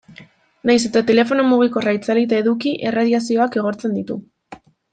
Nahiz eta, telefono mugikorra itzalita eduki erradiazioak igortzen ditu.